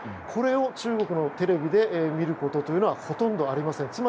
これを中国のテレビで見ることというのはほとんどありません。